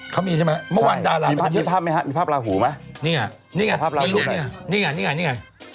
เขามีใช่มั้ยเมื่อวันดารามีภาพมั้ยฮะมีภาพลาหูมั้ยนี่ไงนี่ไงนี่ไงนี่ไงนี่ไง